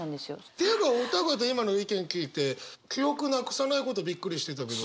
っていうかお二方今の意見聞いて記憶なくさないことびっくりしてたけど。